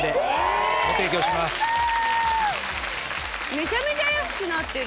めちゃめちゃ安くなってる。